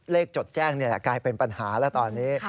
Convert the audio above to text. เลขจดแจ้งกลายเป็นปัญหาแล้วตอนนี้